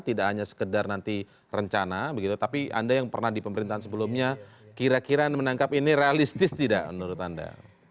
tidak hanya sekedar nanti rencana begitu tapi anda yang pernah di pemerintahan sebelumnya kira kira menangkap ini realistis tidak menurut anda